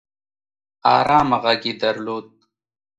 ارامه غږ يې درلود